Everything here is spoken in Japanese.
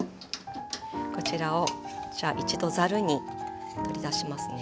こちらをじゃあ一度ざるに取り出しますね。